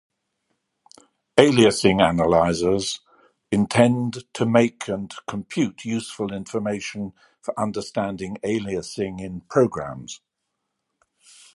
Aliasing analysers intend to make and compute useful information for understanding aliasing in programs.